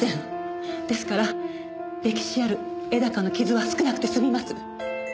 ですから歴史ある絵高の傷は少なくて済みます。